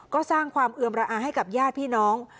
ก็สร้างความเอือมระอาให้กับญาติพี่น้อง